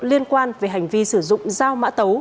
liên quan về hành vi sử dụng dao mã tấu